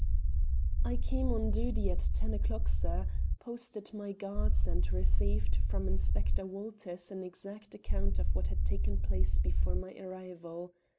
"I came on duty at ten o'clock, sir; posted my guards, and received from Inspector Walters an exact account of what had taken place before my arrival.